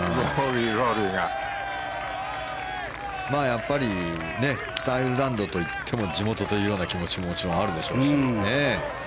やっぱり北アイルランドといっても地元というような気持ちももちろんあるでしょうしね。